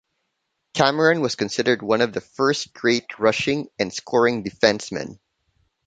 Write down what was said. Cameron was considered one of the first great rushing and scoring defencemen.